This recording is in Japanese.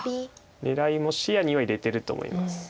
狙いも視野には入れてると思います。